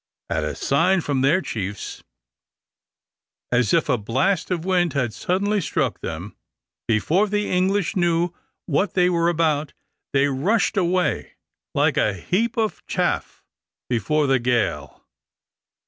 At a sign from their chiefs, as if a blast of wind had suddenly struck them, before the English knew what they were about, they rushed away like a heap of chaff before the gale.